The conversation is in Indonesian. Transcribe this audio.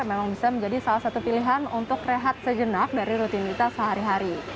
memang bisa menjadi salah satu pilihan untuk rehat sejenak dari rutinitas sehari hari